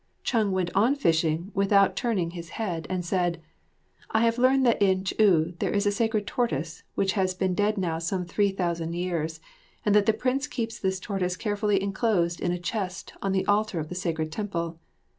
Chung went on fishing and without turning his head said: "I have heard that in Ch'u there is a sacred tortoise which has been dead now some three thousand years, and that the Prince keeps this tortoise carefully enclosed in a chest on the altar of the sacred temple.